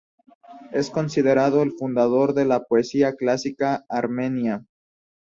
Es considerado el fundador de la poesía clásica armenia.